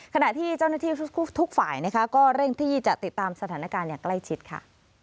ขณะที่เจ้าหน้าที่ทุกฝ่ายนะคะก็เร่งที่จะติดตามสถานการณ์อย่างใกล้ชิดค่ะ